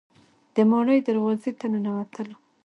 د ماڼۍ دروازې ته ننوتلو.